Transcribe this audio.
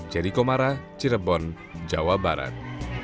jericho mara cirebon jawa barat